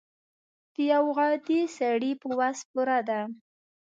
د یو عادي سړي په وس پوره ده.